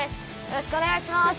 よろしくお願いします。